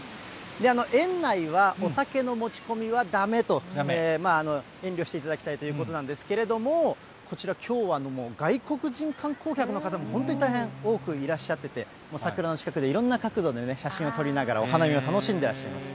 園内はお酒の持ち込みはだめと、遠慮していただきたいということなんですけれども、こちら、きょうはもう外国人観光客の方も本当に大変、多くいらっしゃってて、桜の近くでいろんな角度でね、写真を撮りながらお花見を楽しんでらっしゃいます。